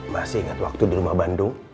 masih ingat waktu di rumah bandung